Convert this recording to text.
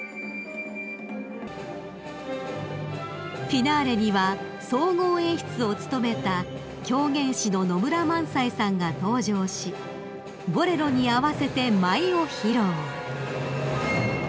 ［フィナーレには総合演出を務めた狂言師の野村萬斎さんが登場し『ボレロ』に合わせて舞を披露］